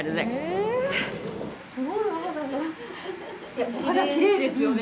いやお肌きれいですよね